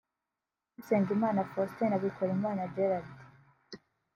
Usengimana Faustin na Bikorimana Gerald